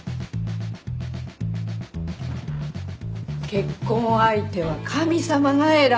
結婚相手は神様が選ぶの。